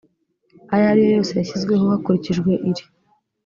ayo ari yose yashyizweho hakurikijwe iri